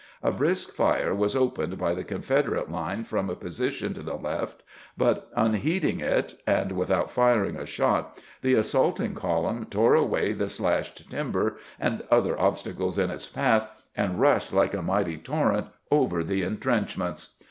A brisk fire was opened by the Confederate line from a position to the left, but, unheeding it, and without firing a shot, the assaulting column tore away the slashed timber and other obstacles in" its path, and rushed like a mighty torrent over the intrenchments.